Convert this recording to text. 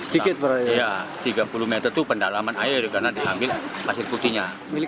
tiga puluh meter itu pendalaman air karena diambil pasir putihnya